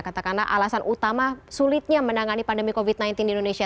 katakanlah alasan utama sulitnya menangani pandemi covid sembilan belas di indonesia